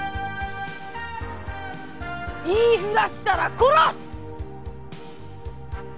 言いふらしたら殺す！